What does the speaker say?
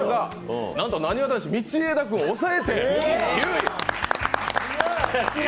なんとなにわ男子道枝君を抑えて、９位！